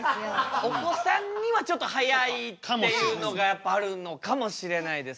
お子さんにはちょっと速いっていうのがやっぱりあるのかもしれないですね。